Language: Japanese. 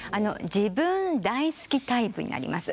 自分大好きタイプになります。